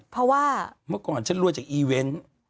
เพราะว่าเมื่อก่อนฉันรวยจากอีเวนต์